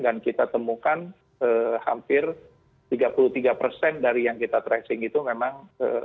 dan kita temukan hampir tiga puluh tiga persen dari yang kita tracing itu memang